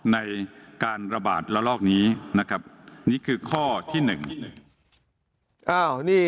ในการระบาดระลอกนี้นะครับนี่คือข้อที่หนึ่ง